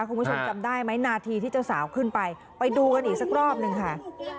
คุณผู้ชมจำได้ไหมนาทีที่เจ้าสาวขึ้นไปไปดูกันอีกสักรอบหนึ่งค่ะ